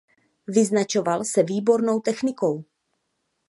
Vyznačoval se výbornou technikou.